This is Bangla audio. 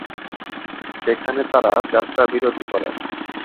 সেখানে তারা যাত্রাবিরতি করেন।